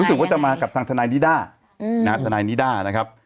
รู้สึกว่าจะมากับทางทนายนิด้าทนายนิด้านะครับ